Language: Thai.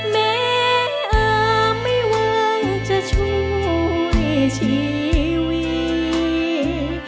แม้อาไม่หวังจะช่วยชีวิต